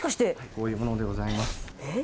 こういう者でございます。